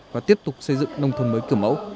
và tiếp tục xây dựng nông thôn mới kiểu mẫu